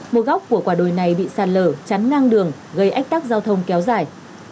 một góc của quả đồi này bị sạt lở chắn ngang đường gây ách tắc giao thông kéo dài